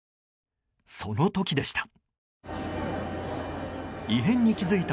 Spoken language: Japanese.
その時でした。